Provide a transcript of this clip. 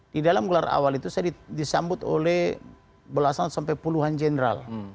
di dalam gelar awal itu saya disambut oleh belasan sampai puluhan jenderal